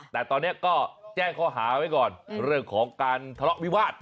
แต่ตอนนี้ก็แจ้งข้อหาไว้ก่อนเรื่องของการทะเลาะวิวาส